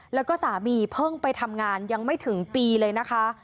แล้วก็สามีเพิ่งไปทำงานยังไม่ถึงปีเลยนะคะ